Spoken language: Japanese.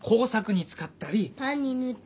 パンに塗ったり。